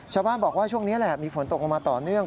ชาวบ้านบอกว่าช่วงนี้แหละมีฝนตกลงมาต่อเนื่อง